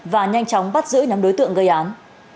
và nhanh chóng bắt giữ nhóm đối tượng gây án